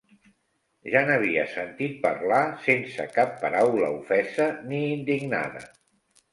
Ja n'havia sentit parlar sense cap paraula ofesa ni indignada.